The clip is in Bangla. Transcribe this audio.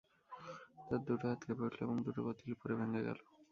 তার দুটো হাত কেঁপে উঠলো এবং দুটো বোতলই পড়ে ভেঙ্গে গেল।